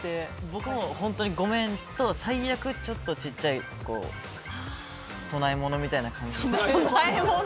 僕も本当にごめんと最悪、ちょっと小さい供え物みたいな感じで。